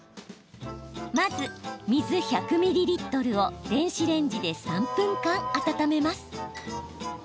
まず、水１００ミリリットルを電子レンジで３分間温めます。